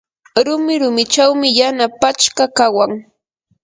rumi rumichawmi yana pachka kawan.